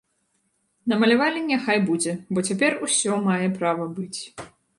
Намалявалі, няхай будзе, бо цяпер усё мае права быць.